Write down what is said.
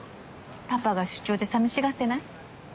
パパが出張で寂しがってない？